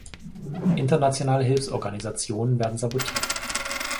Internationale Hilfsorganisationen werden sabotiert.